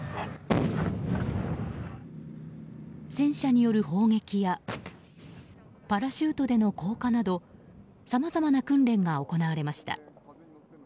戦車による砲撃やパラシュートでの降下などさまざまな訓練が行われました。